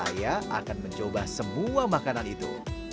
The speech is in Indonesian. saya akan mencoba semua makanan itu